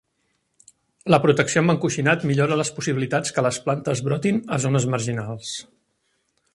La protecció amb encoixinat millora les possibilitats que les plantes brotin a zones marginals.